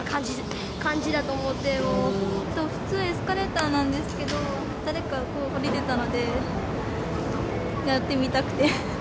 普通、エスカレーターなんですけど、誰かが下りてたので、やってみたくて。